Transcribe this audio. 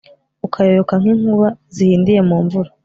ukayoyoka nk'inkuba zihindiye mu mvura